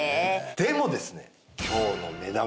でもですね